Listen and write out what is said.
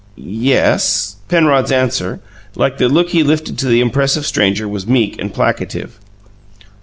"Ye es." Penrod's answer, like the look he lifted to the impressive stranger, was meek and placative.